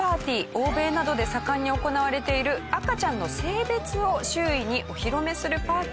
欧米などで盛んに行われている赤ちゃんの性別を周囲にお披露目するパーティーです。